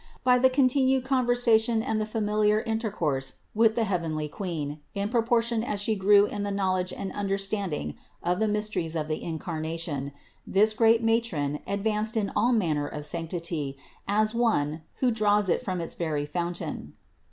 By the continued conversation and the familiar intercourse with the heavenly Queen in proportion as she grew in the knowledge and understanding of the mysteries of the Incarnation, this great matron advanced in all manner of sanctity, as one who draws it from its very fountain.